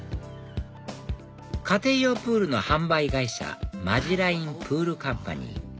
家庭用プールの販売会社マジラインプールカンパニー